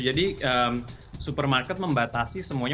jadi supermarket membatasi semuanya